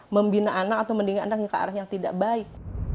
membina anak atau mendingin anak ke arah yang tidak baik